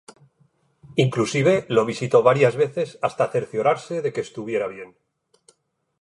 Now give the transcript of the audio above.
Inclusive lo visitó varias veces hasta cerciorarse que estuviera bien.